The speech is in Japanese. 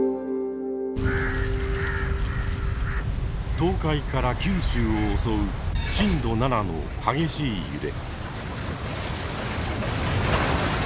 東海から九州を襲う震度７の激しい揺れ。